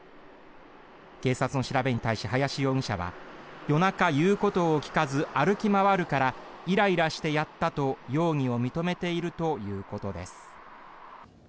警察の調べに対し林容疑者は夜中、言うことを聞かず歩き回るからイライラしてやったと容疑を認めているということです。